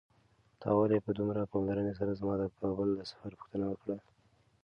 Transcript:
تا ولې په دومره پاملرنې سره زما د کابل د سفر پوښتنه وکړه؟